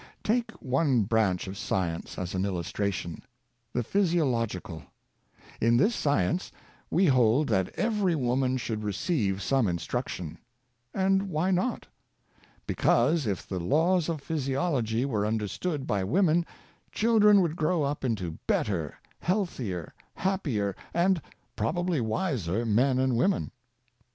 Take one branch of science as an illustration — the physiological. In this science we hold that every wom an should receive some instruction. And why? Be cause, if the laws of physiology were understood by women, children would grow up into better, healthier, happier and probably wiser men and women.